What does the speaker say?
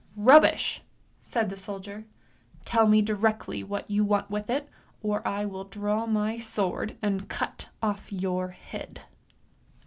"" Rubbish! " said the soldier. ''' Tell me directly what you want with it, or I will draw my sword and cut off your head."